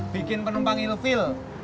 bikin penumpang ilu vil